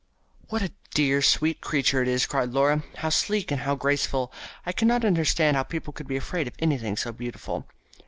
"What a dear, sweet creature it is," cried Laura. "How sleek and how graceful! I cannot understand how people could be afraid of anything so beautiful."